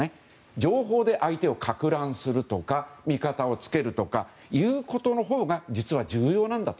情報で相手をかく乱するとか味方をつけるとかというほうが実は重要なんだと。